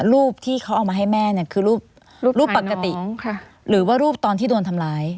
รูปที่เขาเอามาให้แม่เนี่ยคือรูปปกติหรือว่ารูปตอนที่โดนทำร้าย